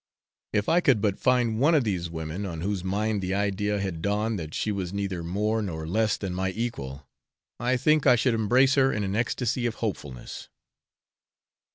If I could but find one of these women, on whose mind the idea had dawned that she was neither more nor less than my equal, I think I should embrace her in an ecstacy of hopefulness.